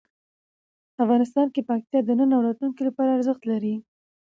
افغانستان کې پکتیا د نن او راتلونکي لپاره ارزښت لري.